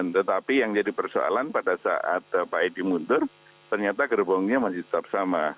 tetapi yang jadi persoalan pada saat pak edi mundur ternyata gerbongnya masih tetap sama